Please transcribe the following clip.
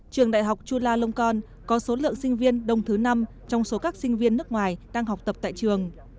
trường đại học chulalongkorn có số lượng sinh viên đông thứ năm trong số các sinh viên nước ngoài đang học tập tại trường